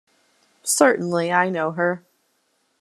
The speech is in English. Certainly I know her.